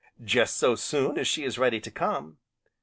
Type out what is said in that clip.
"Just so soon as she is ready to come."